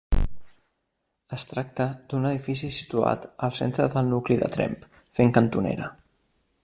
Es tracta d'un edifici situat al centre del nucli de Tremp, fent cantonera.